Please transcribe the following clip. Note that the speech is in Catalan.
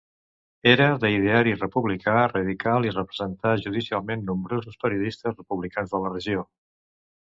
Era d'ideari republicà radical i representà judicialment nombrosos periodistes republicans de la regió.